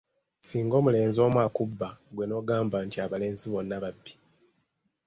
Singa omulenzi omu akubba ggwe n’ogamba nti “abalenzi bonna babbi”.